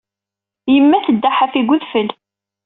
Yemma tedda ḥafi deg wedfel.